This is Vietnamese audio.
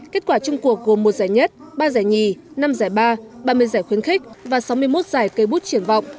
kết quả chung cuộc gồm một giải nhất ba giải nhì năm giải ba ba mươi giải khuyến khích và sáu mươi một giải cây bút triển vọng